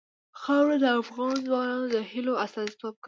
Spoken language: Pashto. خاوره د افغان ځوانانو د هیلو استازیتوب کوي.